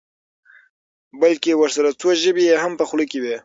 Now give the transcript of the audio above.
بلکې ورسره څو ژبې یې هم په خوله کې وي.